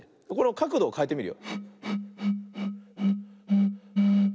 かくどをかえてみる。